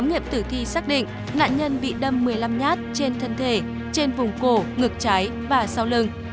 nạn nhân đã bị đâm một mươi năm nhát trên thân thể trên vùng cổ ngực trái và sau lưng